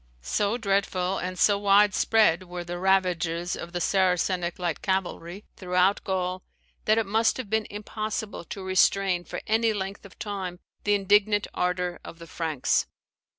So dreadful and so wide spread were the ravages of the Saracenic light cavalry throughout Gaul that it must have been impossible to restrain for any length of time the indignant ardour of the Franks.